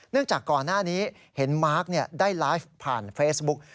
จากก่อนหน้านี้เห็นมาร์คได้ไลฟ์ผ่านเฟซบุ๊ก